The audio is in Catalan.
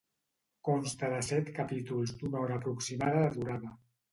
Consta de set capítols d'una hora aproximada de durada.